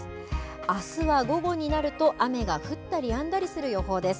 あすは午後になると雨が降ったりやんだりする予報です。